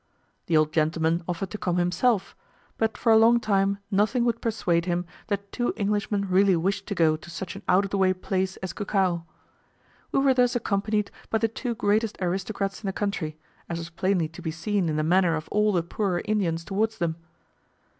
The old gentleman offered to come himself; but for a long time nothing would persuade him that two Englishmen really wished to go to such an out of the way place as Cucao. We were thus accompanied by the two greatest aristocrats in the country, as was plainly to be seen in the manner of all the poorer Indians towards them.